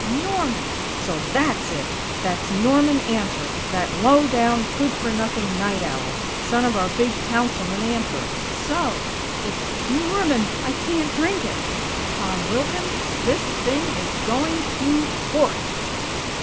Norman!_ So that's it! That's Norman Antor, that low down, good for nothing night owl! Son of our big Councilman Antor. So!! It's 'Norman! I can't drink it'! Tom Wilkins, this thing is going to _court!!